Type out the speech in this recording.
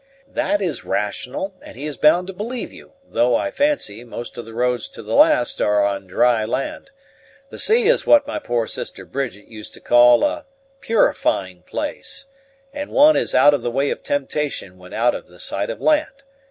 "That is rational; and he is bound to believe you, though, I fancy, most of the roads to the last are on dry land. The sea is what my poor sister Bridget used to call a 'purifying place,' and one is out of the way of temptation when out of sight of land.